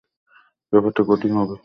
ব্যাপারটা কঠিন হবে।